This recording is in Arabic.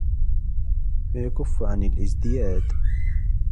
فَيَكُفُّ عَنْ الِازْدِيَادِ